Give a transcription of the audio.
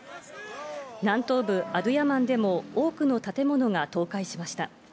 南東部アドゥヤマンでも多くの建物が倒壊しました。